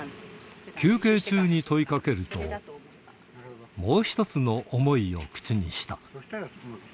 休憩中に問いかけると、もう一つの想いを口にした。